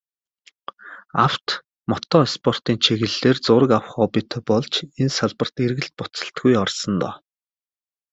Авто, мото спортын чиглэлээр зураг авах хоббитой болж, энэ салбарт эргэлт буцалтгүй орсон доо.